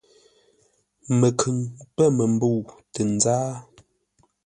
Məkhʉŋ pə̂ məmbə̂u tə nzáa.